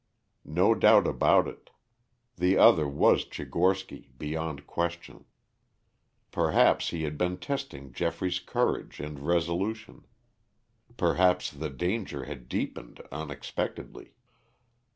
No doubt about it. The other was Tchigorsky beyond question. Perhaps he had been testing Geoffrey's courage and resolution; perhaps the danger had deepened unexpectedly.